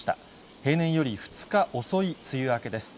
平年より２日遅い梅雨明けです。